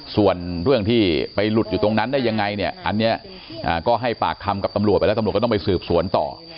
ส่วนเรื่องที่ไปหลุดอยู่ตรงนั้นได้ยังไงเนี่ยอันนี้ก็ให้ปากคำกับตำรวจไปแล้วตำรวจก็ต้องไปสืบสวนต่อ